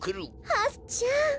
はすちゃん。